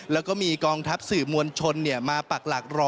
แล้วก็มีกองทัพสื่อมวลชนมาปักหลักรอ